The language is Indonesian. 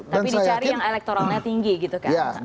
tapi dicari yang elektoralnya tinggi gitu kan